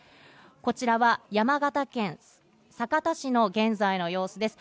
こちらは山形県酒田市の現在の様子です。